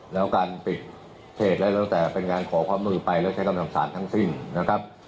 แล้วการปิดเพจอะไรตั้งแต่เป็นการขอความมือไปแล้วใช้กำลังสารทั้งสิ้นนะครับ